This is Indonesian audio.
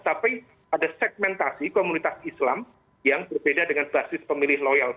tapi ada segmentasi komunitas islam yang berbeda dengan basis pemilih loyal